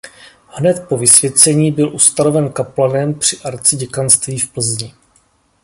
Hned po vysvěcení byl ustanoven kaplanem při arciděkanství v Plzni.